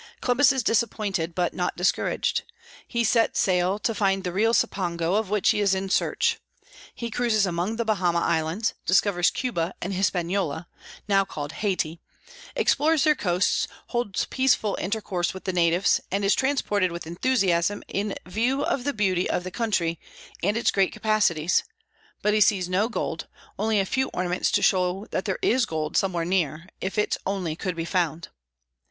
Columbus is disappointed, but not discouraged. He sets sail to find the real Cipango of which he is in search. He cruises among the Bahama islands, discovers Cuba and Hispaniola (now called Hayti), explores their coasts, holds peaceful intercourse with the natives, and is transported with enthusiasm in view of the beauty of the country and its great capacities; but he sees no gold, only a few ornaments to show that there is gold somewhere near, if it only could be found.